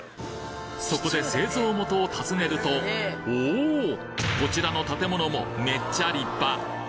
そこで製造元を訪ねるとおこちらの建物もめっちゃ立派！